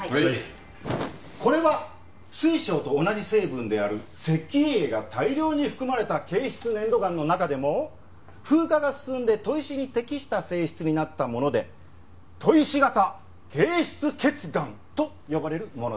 これは水晶と同じ成分である石英が大量に含まれた珪質粘土岩の中でも風化が進んで砥石に適した性質になったもので「砥石型珪質頁岩」と呼ばれるものでした。